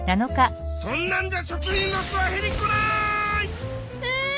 そんなんじゃ食品ロスは減りっこない！え！？